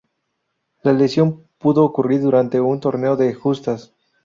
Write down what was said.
La lesión pudo ocurrir durante un torneo de justas.